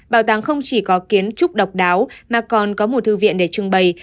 bảo tàng không chỉ có kiến trúc độc đáo mà còn có một thư viện để trưng bày